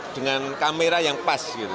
dengan kamera yang pas gitu